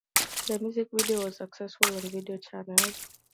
The music video was successful on video channels.